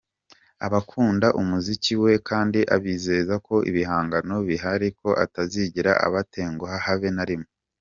Abakunda umuziki we kandi abizeza ko ibihangano bihari ko atazigera abatenguha habe na rimwe.